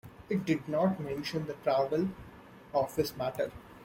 It did not mention the travel office matter.